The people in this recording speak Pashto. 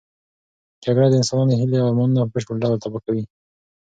جګړه د انسانانو هیلې او ارمانونه په بشپړ ډول تباه کوي.